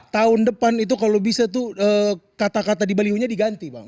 tahun depan itu kalau bisa tuh kata kata di balihonya diganti bang